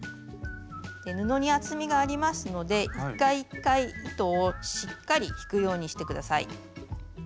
布に厚みがありますので一回一回糸をしっかり引くようにして下さい。